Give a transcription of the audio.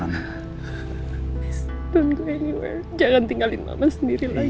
jangan pergi ke mana mana jangan tinggalin mama sendiri lagi